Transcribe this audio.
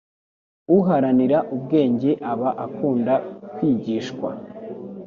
Uharanira ubwenge aba akunda kwigishwa